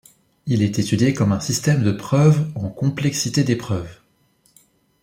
Il est étudié comme un système de preuve en complexité des preuves.